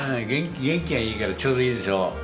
元気がいいからちょうどいいですよ。